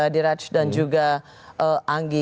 diraj dan juga anggi